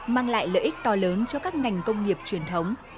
mang lại lợi ích to lớn cho các ngành công nghiệp truyền thống